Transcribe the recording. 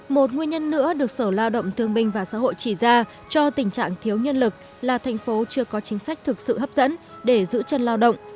một nguyên nhân nữa được sở lao động thương minh và xã hội chỉ ra cho tình trạng thiếu nhân lực là thành phố chưa có chính sách thực sự hấp dẫn để giữ chân lao động